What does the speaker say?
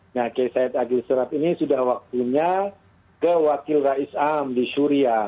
nah keisahid agri serap ini sudah waktunya ke wakil rais am di syuriah